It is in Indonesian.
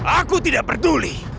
aku tidak peduli